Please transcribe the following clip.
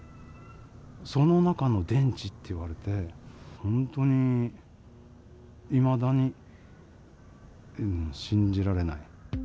その中の電池って言われて、本当にいまだに信じられない。